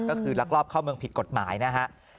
ก็คือลักลอบเข้าเมืองผิดกฎหมายนะฮะ